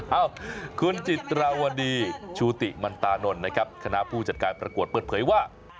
เอ้าคุณจิตราวดีชูติมันตานนท์นะครับคณะผู้จัดการประกวดเปิดเผยว่า